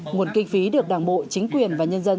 nguồn kinh phí được đảng bộ chính quyền và nhân dân